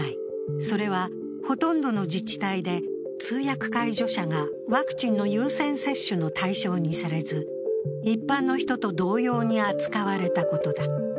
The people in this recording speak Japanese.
それはほとんどの自治体で通訳介助者がワクチンの優先接種の対象にされず一般の人と同様に扱われたことだ。